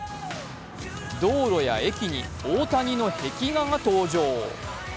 道路や駅に大谷の壁画が登場。